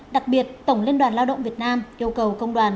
đặc biệt tổng liên đoàn lao động việt nam yêu cầu công đoàn